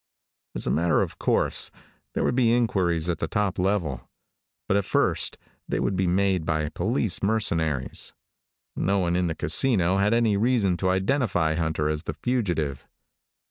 As a matter of course, there would be inquiries at the top level, but at first they would be made by police mercenaries. No one in the casino had any reason to identify Hunter as the fugitive.